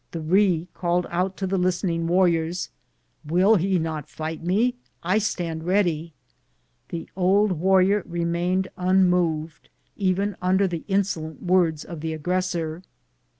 The Ree called out to the listening warriors, " Will he not fight me? I stand ready." The old warrior remained un moved, even under the insolent words of the aggressor.